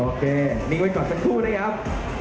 โอเคนิ้งไว้ก่อนสักครู่ด้วยครับ